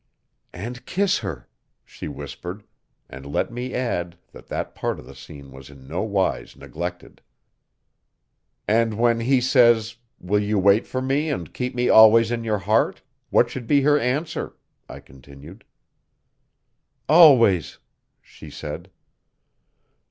'And kiss her,' she whispered; and, let me add, that part of the scene was in nowise neglected. 'And when he says: "will you wait for me and keep me always in your heart?" what should be her answer,' I continued. 'Always!' she said.